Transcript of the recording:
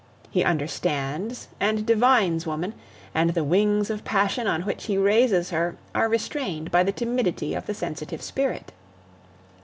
He understands and divines woman, and the wings of passion on which he raises her are restrained by the timidity of the sensitive spirit.